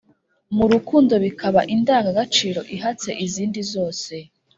murukundo bikaba indangagaciro ihatse izindi zose.